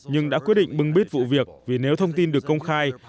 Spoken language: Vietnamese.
nhưng đã quyết định bưng bít vụ việc vì nếu thông tin được công khai